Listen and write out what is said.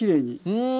うん！